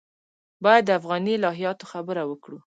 باید د افغاني الهیاتو خبره وکړو.